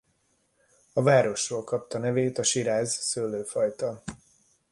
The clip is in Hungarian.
A városról kapta nevét a siráz szőlőfajta.